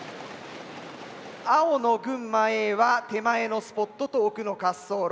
青の群馬Ａは手前のスポットと奥の滑走路。